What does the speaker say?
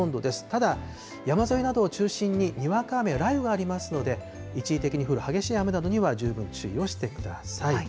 ただ、山沿いなどを中心に、にわか雨や雷雨がありますので、一時的に降る激しい雨などには十分注意をしてください。